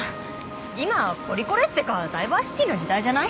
今はポリコレってかダイバーシティの時代じゃない？